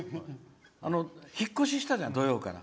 引っ越ししたじゃん、土曜から。